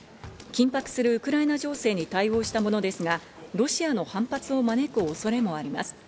緊迫するウクライナ情勢に対応したものですが、ロシアの反発を招く恐れもあります。